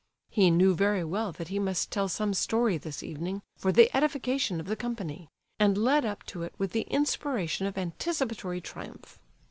He knew very well that he must tell some story this evening for the edification of the company, and led up to it with the inspiration of anticipatory triumph.